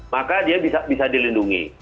maka dia bisa dilindungi